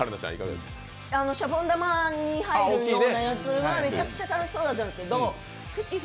シャボン玉に入るようなやつはめちゃくちゃ楽しそうだったんですけどくっきー！